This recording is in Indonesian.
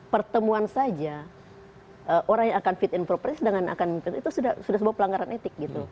pertemuan saja orang yang akan fit in propertis dengan akan fit independensi itu sudah sebuah pelanggaran etik gitu